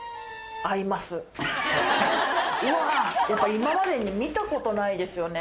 今までに見たことないですよね。